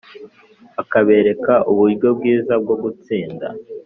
akabereka uburyo bwiza bwo gutsinda